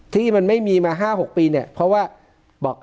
ที่มันไม่มีมา๕๖ปีเนี่ยเพราะว่าบอก